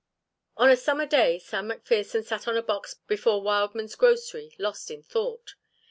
On a summer day Sam McPherson sat on a box before Wildman's grocery lost in thought.